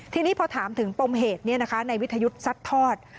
ทีนี้พอถามถึงปมเหตุเนี่ยนะคะนายวิทยุทธิ์ซัดทอด